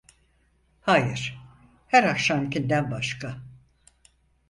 Hayır, her akşamkinden başka…